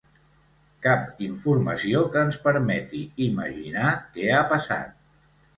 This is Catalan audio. Cap informació que ens permeti imaginar què ha passat.